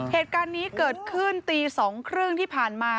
เหตุการณ์นี้เกิดขึ้นตี๒๓๐ที่ผ่านมา